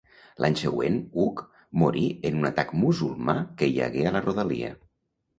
L'any següent, Hug morí en un atac musulmà que hi hagué a la rodalia.